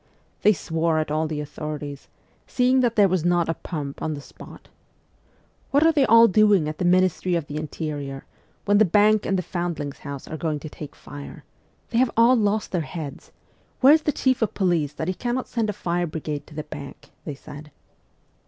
They swore at all the authorities, seeing that there was not a pump on the spot. ' What are they all doing at the Ministry of the Interior, when the Bank and the Foundlings' House are going to take fire ? They have all lost their heads ! Where is the chief of police that he cannot send a fire brigade to the Bank ?' they said.